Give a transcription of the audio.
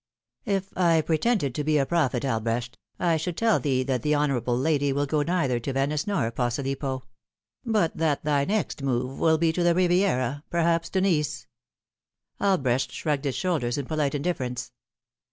" If I pretended to be a prophet, Albrecht, I should tell thee that the honourable lady will go to neither Venice nor Posilippo; but that thy next move will be to the Riviera, perhaps to Nice." Albrecht shrugged his shoulders in polite indifference.